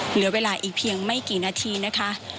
เหลือเวลาอีกเพียงไม่กี่นาทีนะคะ